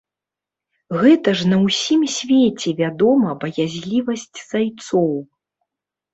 Гэта ж на ўсім свеце вядома баязлівасць зайцоў.